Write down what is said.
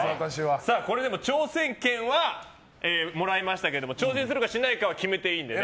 挑戦権はもらいましたけど挑戦するかしないかは決めていいので。